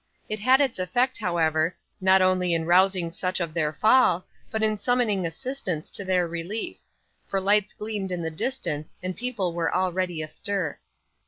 It had its effect, however, not only in rousing such of their fall, but in summoning assistance to their relief; for lights gleamed in the distance, and people were already astir.